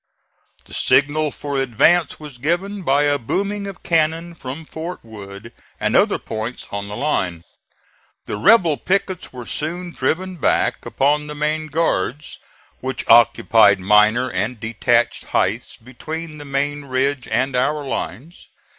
The signal for advance was given by a booming of cannon from Fort Wood and other points on the line. The rebel pickets were soon driven back upon the main guards, which occupied minor and detached heights between the main ridge and our lines.